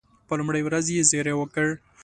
په لومړۍ ورځ یې زېری وکړ.